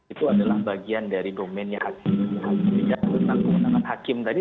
itu adalah bagian dari domen yang akan dijalankan